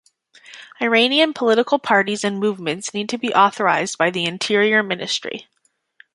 Iranian political parties and movements need to be authorized by the Interior Ministry.